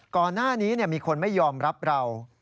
ก่อนหน้านี้มีคนไม่ยอมรับเรา